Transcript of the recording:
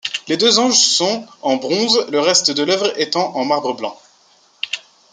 Les deux anges sont en bronze, le reste de l'œuvre étant en marbre blanc.